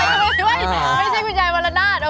ไม่ใช่กุญญายวรรณาช